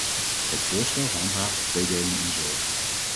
Het voorstel handhaaft tweedeling in de zorg.